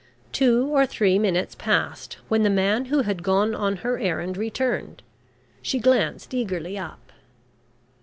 Two or three minutes passed, when the man who had gone on her errand returned. She glanced eagerly up.